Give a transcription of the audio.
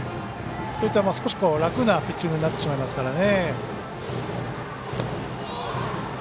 そういった、少し楽なピッチングになってしまいますからね。